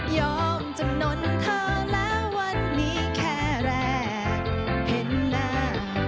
จำนวนเธอแล้ววันนี้แค่แรกเห็นหน้า